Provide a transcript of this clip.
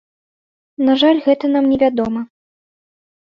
На жаль, гэта нам невядома.